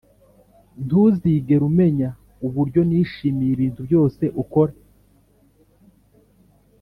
ntuzigera umenya uburyo nishimiye ibintu byose ukora.